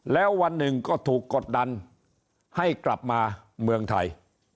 แล้ววันหนึ่งก็ถูกกดดันให้กลับมาเมืองไทย